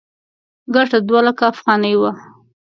ګټه دوه لکه افغانۍ وه.